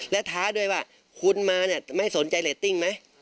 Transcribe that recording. และท้าด้วยว่าคุณมาไม่สนใจเรตติ้งไหม